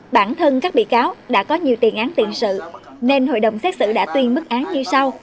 bản thân các bị cáo đã có nhiều tiền án tiền sự nên hội đồng xét xử đã tuyên mức án như sau